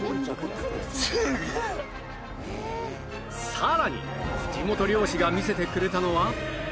さらに地元漁師が見せてくれたのは？